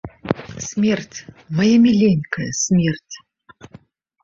Смерць, мая міленькая, смерць.